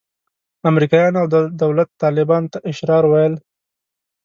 امریکایانو او دولت طالبانو ته اشرار ویل.